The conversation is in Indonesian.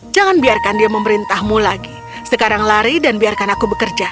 jangan biarkan dia memerintahmu lagi sekarang lari dan biarkan aku bekerja